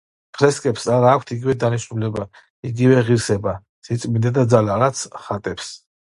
ფრესკებს არა აქვთ იგივე დანიშნულება, იგივე ღირსება, სიწმიდე და ძალა, რაც ხატებს.